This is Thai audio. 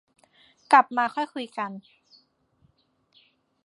กลับมาค่อยคุยกัน